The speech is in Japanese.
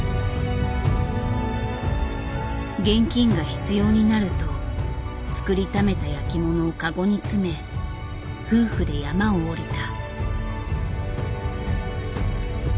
現金が必要になると作りためた焼きものをカゴに詰め夫婦で山を下りた。